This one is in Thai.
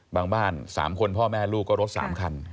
บ้าน๓คนพ่อแม่ลูกก็รถ๓คัน